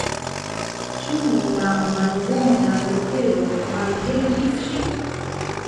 Ĉu la malbona vetero malhelpis ŝin?